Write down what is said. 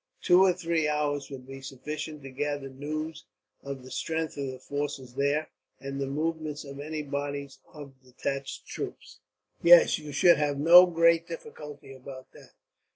Two or three hours would be sufficient to gather news of the strength of the force there, and the movements of any bodies of detached troops." "Yes, you should have no great difficulty about that.